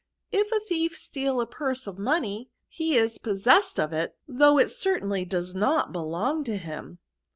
If a thief steal a purse of money, he is pos sessed of it, though it certainly does not belong to him.